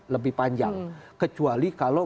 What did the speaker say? lebih panjang kecuali kalau